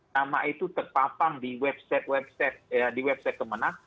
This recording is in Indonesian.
nama itu terpapang di website kemenat